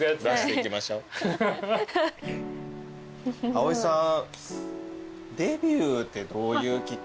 葵さん。